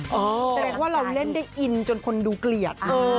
แสดงว่าเราเล่นได้อินจนคนดูเกลียด